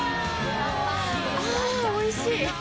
あぁおいしい！